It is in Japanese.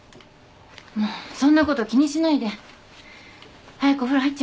もうそんなこと気にしないで早くお風呂入っちゃいな。